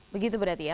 begitu berarti ya